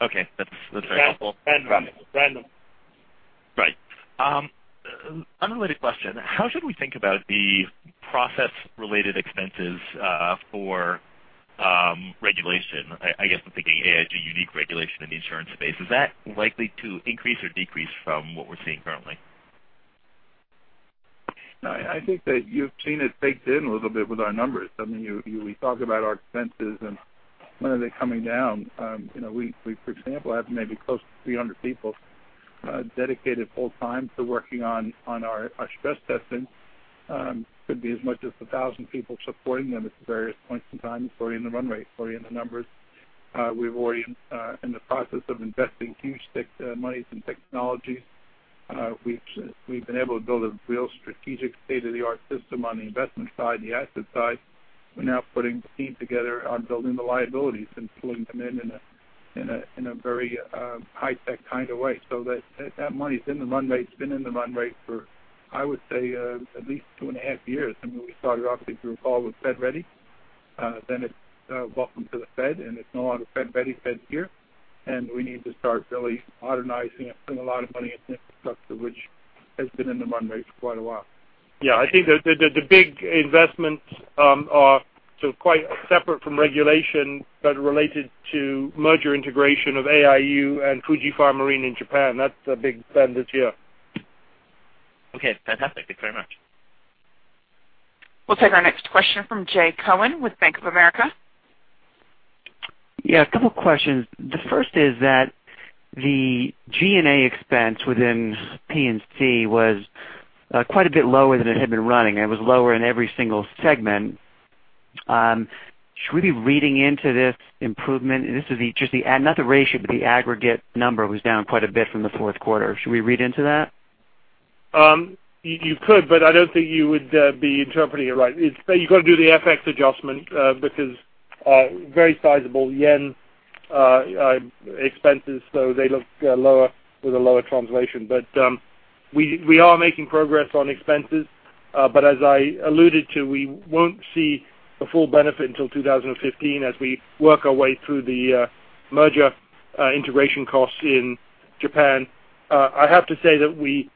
Okay. That's very helpful. Random. Right. Unrelated question. How should we think about the process related expenses for regulation? I guess I'm thinking AIG unique regulation in the insurance space. Is that likely to increase or decrease from what we're seeing currently? No, I think that you've seen it baked in a little bit with our numbers. I mean, we talk about our expenses and when are they coming down. We, for example, have maybe close to 300 people dedicated full time to working on our stress testing. Could be as much as 1,000 people supporting them at various points in time. It's already in the run rate, it's already in the numbers. We're already in the process of investing huge monies in technologies. We've been able to build a real strategic state-of-the-art system on the investment side and the asset side. We're now putting the team together on building the liabilities and pulling them in a very high-tech kind of way. That money's been in the run rate for, I would say at least two and a half years. I mean, we started off, if you recall, with Fed Ready. It's welcome to the Fed, and it's no longer Fed Ready, Fed here, and we need to start really modernizing it and putting a lot of money into infrastructure, which has been in the run rate for quite a while. Yeah, I think the big investments are quite separate from regulation, but related to merger integration of AIU and Fuji Fire Marine in Japan. That's a big spend this year. Okay, fantastic. Thank you very much. We'll take our next question from Jay Cohen with Bank of America. Yeah, a couple of questions. The first is that the G&A expense within P&C was quite a bit lower than it had been running. It was lower in every single segment. Should we be reading into this improvement? This is not the ratio, but the aggregate number was down quite a bit from the fourth quarter. Should we read into that? You could, but I don't think you would be interpreting it right. You've got to do the FX adjustment because very sizable JPY expenses, so they look lower with a lower translation. We are making progress on expenses. As I alluded to, we won't see the full benefit until 2015 as we work our way through the merger integration costs in Japan. I have to say that we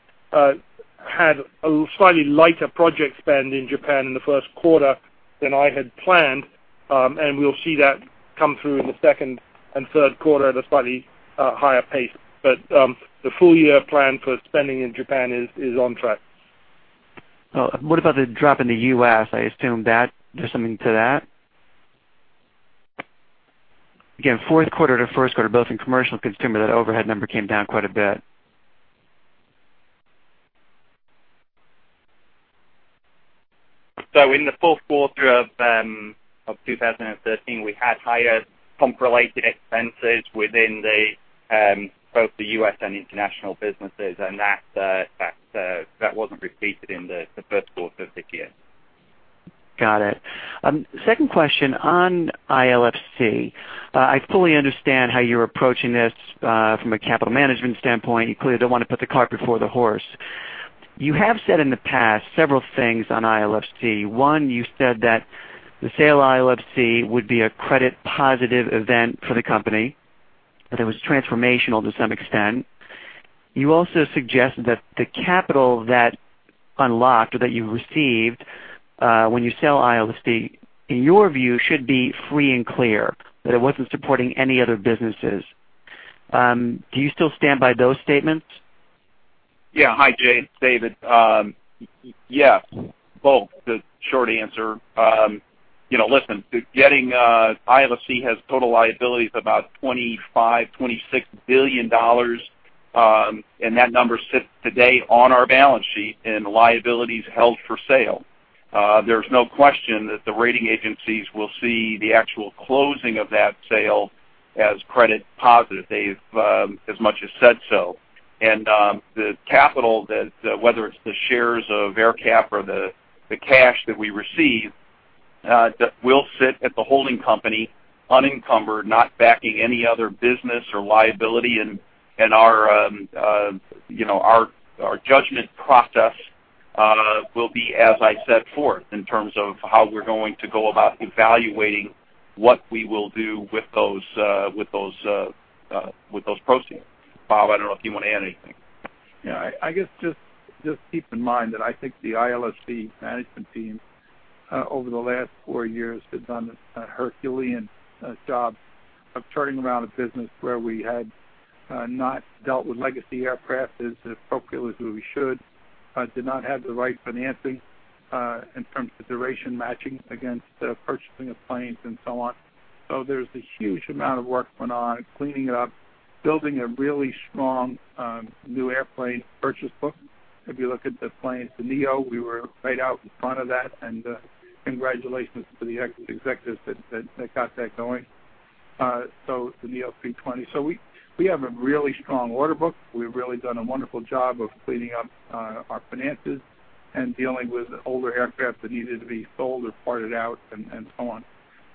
had a slightly lighter project spend in Japan in the first quarter than I had planned, and we'll see that come through in the second and third quarter at a slightly higher pace. The full-year plan for spending in Japan is on track. What about the drop in the U.S.? I assume there's something to that. Again, fourth quarter to first quarter, both in commercial consumer, that overhead number came down quite a bit. In the fourth quarter of 2013, we had higher comp-related expenses within both the U.S. and international businesses, that wasn't repeated in the first quarter of this year. Got it. Second question on ILFC. I fully understand how you're approaching this from a capital management standpoint. You clearly don't want to put the cart before the horse. You have said in the past several things on ILFC. One, you said that the sale of ILFC would be a credit positive event for the company, that it was transformational to some extent. You also suggested that the capital that unlocked or that you received when you sell ILFC, in your view, should be free and clear, that it wasn't supporting any other businesses. Do you still stand by those statements? Yeah. Hi, Jay, it's David. Yes, both, the short answer. Listen, ILFC has total liabilities about $25 billion-$26 billion, and that number sits today on our balance sheet in liabilities held for sale. There's no question that the rating agencies will see the actual closing of that sale as credit positive. They've as much as said so. The capital, whether it's the shares of AerCap or the cash that we receive, that will sit at the holding company unencumbered, not backing any other business or liability, and our judgment process will be as I set forth in terms of how we're going to go about evaluating what we will do with those proceeds. Bob, I don't know if you want to add anything. Yeah, I guess just keep in mind that I think the ILFC management team, over the last four years, has done a Herculean job of turning around a business where we had not dealt with legacy aircraft as appropriately as we should, did not have the right financing in terms of duration matching against purchasing of planes and so on. There's a huge amount of work going on, cleaning it up, building a really strong new airplane purchase book. If you look at the planes, the A320neo, we were right out in front of that, and congratulations to the executives that got that going. The A320neo. We have a really strong order book. We've really done a wonderful job of cleaning up our finances and dealing with older aircraft that needed to be sold or parted out and so on.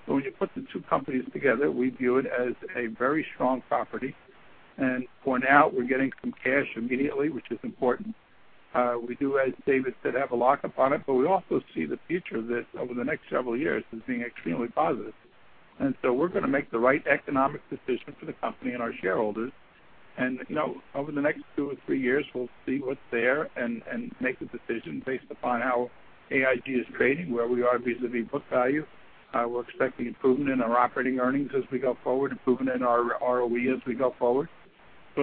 When you put the two companies together, we view it as a very strong property. For now, we're getting some cash immediately, which is important. We do, as David said, have a lock-up on it, but we also see the future of this over the next several years as being extremely positive. We're going to make the right economic decision for the company and our shareholders. Over the next two or three years, we'll see what's there and make a decision based upon how AIG is trading, where we are vis-à-vis book value. We're expecting improvement in our operating earnings as we go forward, improvement in our ROE as we go forward.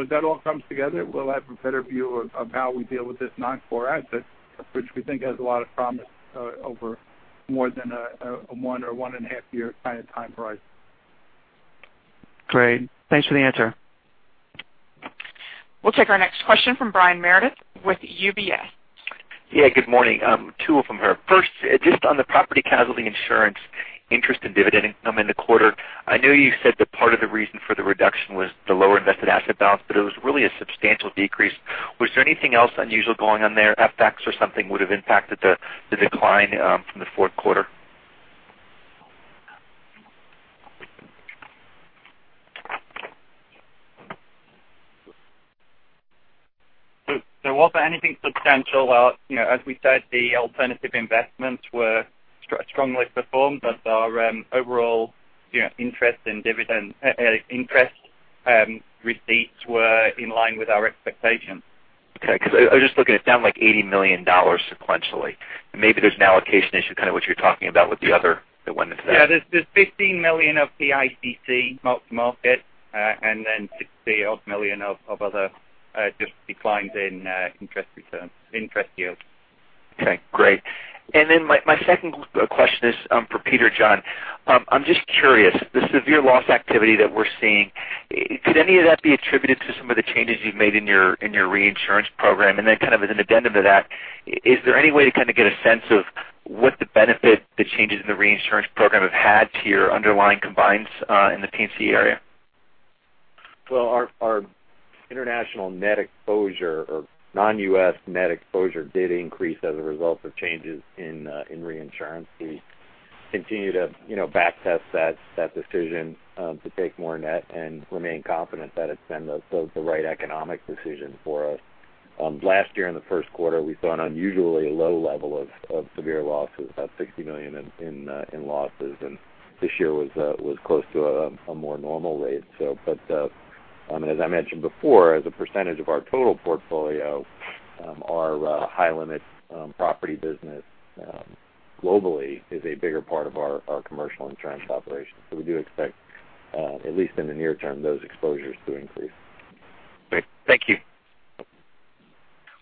As that all comes together, we'll have a better view of how we deal with this non-core asset, which we think has a lot of promise over more than a one or one and a half year kind of time horizon. Great. Thanks for the answer. We'll take our next question from Brian Meredith with UBS. Good morning. Two of them here. First, just on the property casualty insurance interest and dividend income in the quarter, I know you said that part of the reason for the reduction was the lower invested asset balance, but it was really a substantial decrease. Was there anything else unusual going on there, FX or something would've impacted the decline from the fourth quarter? There wasn't anything substantial. As we said, the alternative investments were strongly performed, but our overall interest receipts were in line with our expectations. Okay, because I was just looking, it's down like $80 million sequentially. Maybe there's an allocation issue, kind of what you're talking about with the other, the one that's- Yeah, there's $15 million of PICC market, and then $60 odd million of other just declines in interest returns, interest yield. Okay, great. Then my second question is for Peter or John. I'm just curious, the severe loss activity that we're seeing, could any of that be attributed to some of the changes you've made in your reinsurance program? Then kind of as an addendum to that, is there any way to kind of get a sense of what the benefit the changes in the reinsurance program have had to your underlying combines in the P&C area? Well, our international net exposure or non-U.S. net exposure did increase as a result of changes in reinsurance. We continue to back test that decision to take more net and remain confident that it's been the right economic decision for us. Last year in the first quarter, we saw an unusually low level of severe losses, about $60 million in losses, and this year was close to a more normal rate. As I mentioned before, as a percentage of our total portfolio, our high-limit property business globally is a bigger part of our commercial insurance operations. We do expect, at least in the near term, those exposures to increase. Great. Thank you.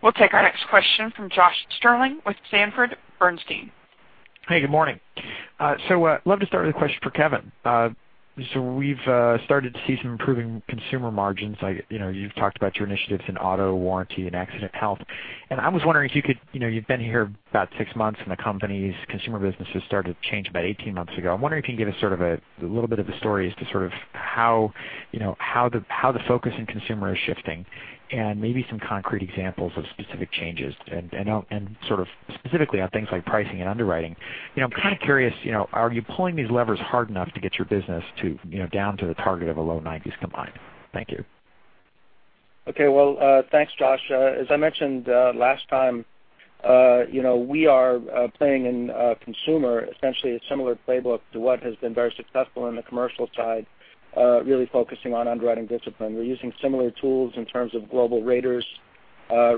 We'll take our next question from Josh Stirling with Sanford C. Bernstein. Hey, good morning. Love to start with a question for Kevin. We've started to see some improving consumer margins. You've talked about your initiatives in auto warranty and accident health. I was wondering if you could, you've been here about six months, and the company's consumer business has started to change about 18 months ago. I'm wondering if you can give us sort of a little bit of a story as to sort of how the focus in consumer is shifting and maybe some concrete examples of specific changes and sort of specifically on things like pricing and underwriting. I'm kind of curious, are you pulling these levers hard enough to get your business down to the target of a low 90s combined? Thank you. Okay. Well, thanks, Josh. As I mentioned last time, we are playing in consumer essentially a similar playbook to what has been very successful in the commercial side, really focusing on underwriting discipline. We're using similar tools in terms of global raters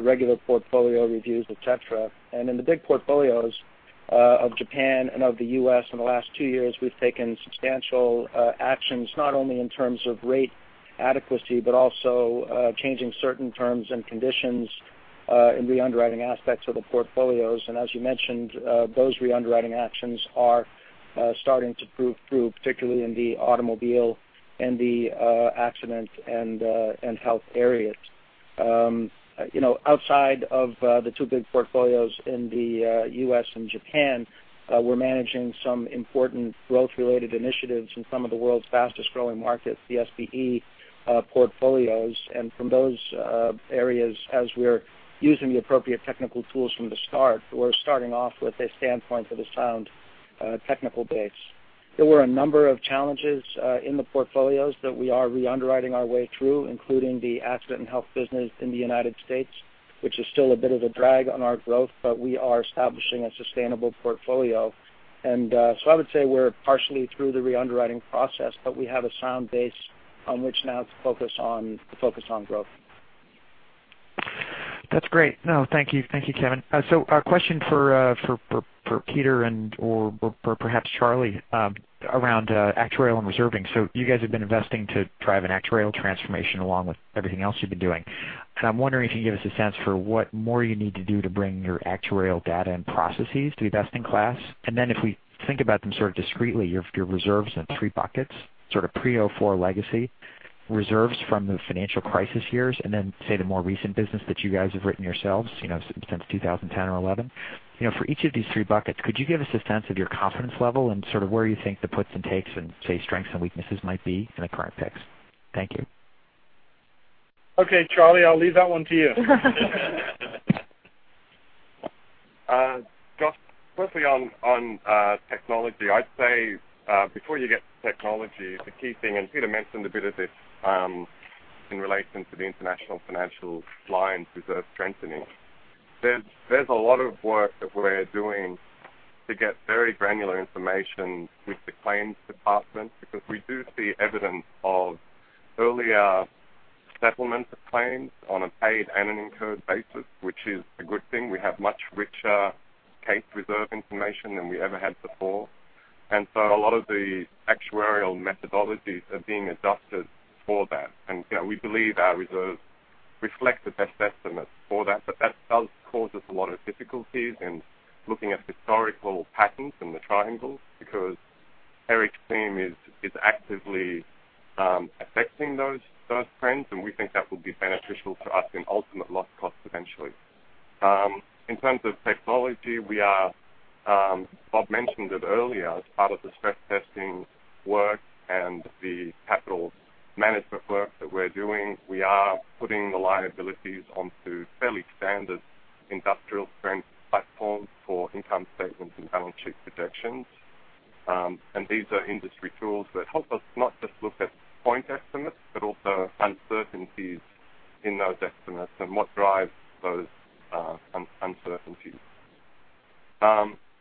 Regular portfolio reviews, et cetera. In the big portfolios of Japan and of the U.S. in the last 2 years, we've taken substantial actions, not only in terms of rate adequacy, but also changing certain terms and conditions in re-underwriting aspects of the portfolios. As you mentioned, those re-underwriting actions are starting to prove through, particularly in the automobile and the accident and health areas. Outside of the two big portfolios in the U.S. and Japan, we're managing some important growth-related initiatives in some of the world's fastest-growing markets, the SBE portfolios. From those areas, as we're using the appropriate technical tools from the start, we're starting off with a standpoint with a sound technical base. There were a number of challenges in the portfolios that we are re-underwriting our way through, including the accident and health business in the United States, which is still a bit of a drag on our growth, but we are establishing a sustainable portfolio. I would say we're partially through the re-underwriting process, but we have a sound base on which now to focus on growth. That's great. No, thank you, Kevin. A question for Peter and/or perhaps Charlie around actuarial and reserving. You guys have been investing to drive an actuarial transformation along with everything else you've been doing. I'm wondering if you can give us a sense for what more you need to do to bring your actuarial data and processes to best in class. If we think about them sort of discreetly, your reserves in three buckets, sort of pre-2004 legacy reserves from the financial crisis years, and then, say, the more recent business that you guys have written yourselves since 2010 or 2011. For each of these three buckets, could you give us a sense of your confidence level and sort of where you think the puts and takes and, say, strengths and weaknesses might be in the current picks? Thank you. Okay, Charlie, I'll leave that one to you. Gosh. Firstly, on technology, I'd say, before you get to technology, the key thing, Peter mentioned a bit of this in relation to the International Financial Lines reserve strengthening. There's a lot of work that we're doing to get very granular information with the claims department because we do see evidence of earlier settlement of claims on a paid and an incurred basis, which is a good thing. We have much richer case reserve information than we ever had before. A lot of the actuarial methodologies are being adjusted for that. We believe our reserves reflect the best estimate for that. That does cause us a lot of difficulties in looking at historical patterns in the triangles because Eric's team is actively affecting those trends, and we think that will be beneficial to us in ultimate loss cost eventually. In terms of technology, Bob mentioned it earlier, as part of the stress testing work and the capital management work that we're doing, we are putting the liabilities onto fairly standard industrial-strength platforms for income statement and balance sheet projections. These are industry tools that help us not just look at point estimates, but also uncertainties in those estimates and what drives those uncertainties.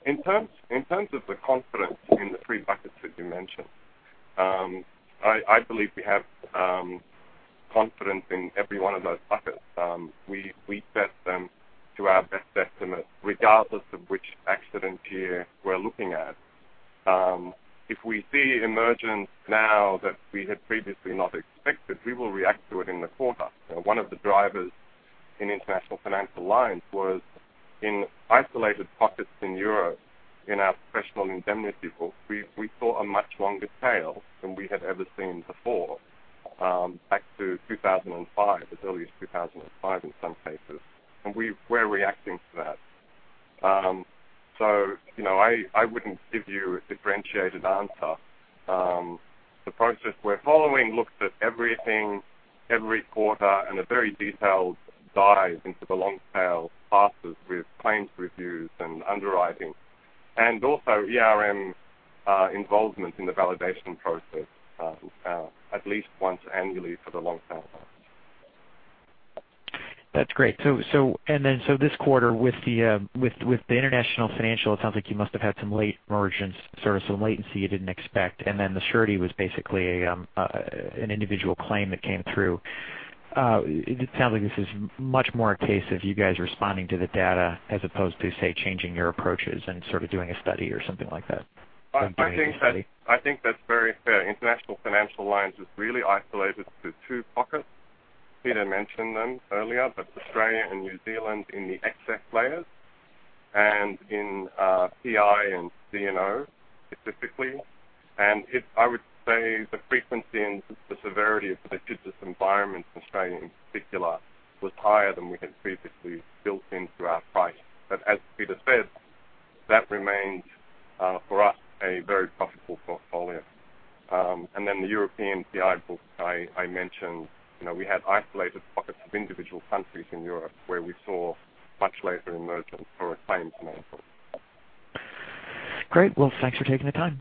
In terms of the confidence in the three buckets that you mentioned, I believe we have confidence in every one of those buckets. We set them to our best estimate, regardless of which accident year we're looking at. If we see emergence now that we had previously not expected, we will react to it in the quarter. One of the drivers in International Financial Lines was in isolated pockets in Europe in our professional indemnity pool, we saw a much longer tail than we had ever seen before, back to 2005, as early as 2005 in some cases. We're reacting to that. I wouldn't give you a differentiated answer. The process we're following looks at everything every quarter and a very detailed dive into the long tail classes with claims reviews and underwriting, also ERM involvement in the validation process at least once annually for the long tail. That's great. This quarter with the International Financial, it sounds like you must have had some late emergence, sort of some latency you didn't expect, and then the surety was basically an individual claim that came through. It sounds like this is much more a case of you guys responding to the data as opposed to, say, changing your approaches and sort of doing a study or something like that. I think that's very fair. International Financial lines is really isolated to two pockets. Peter mentioned them earlier, but Australia and New Zealand in the excess layers and in PI and D&O specifically. I would say the frequency and the severity of the judicial environment in Australia in particular was higher than we had previously built into our price. As Peter said, that remains, for us, a very profitable portfolio. The European PI book, I mentioned we had isolated pockets of individual countries in Europe where we saw much later emergence for a claims. Great. Well, thanks for taking the time.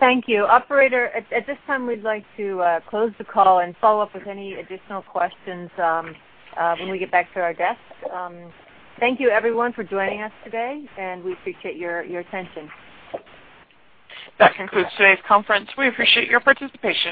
Thank you. Operator, at this time, we'd like to close the call and follow up with any additional questions when we get back to our desks. Thank you, everyone, for joining us today, and we appreciate your attention. That concludes today's conference. We appreciate your participation.